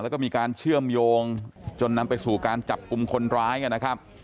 แล้วก็มีการเชื่อมโยงจนนำไปสู่การจับกลุ่มคนร้ายนะครับ